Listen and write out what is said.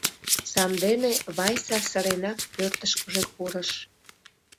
Сандене Вайса сыренак пӧртышкыжӧ пурыш.